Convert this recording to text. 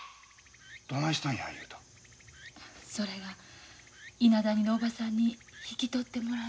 それが伊那谷のおばさんに引き取ってもらえんで。